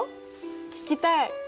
聞きたい。